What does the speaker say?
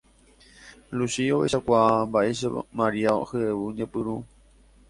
Luchi ohechakuaa mba'éichapa Maria hyevu ñepyrũ